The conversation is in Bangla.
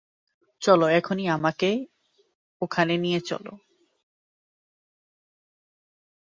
চল, এখনি আমাকে ওখানে নিয়ে চলো।